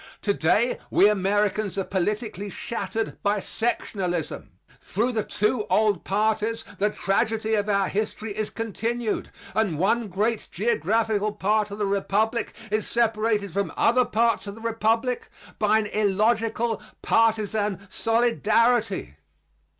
To day we Americans are politically shattered by sectionalism. Through the two old parties the tragedy of our history is continued; and one great geographical part of the Republic is separated from other parts of the Republic by an illogical partisan solidarity.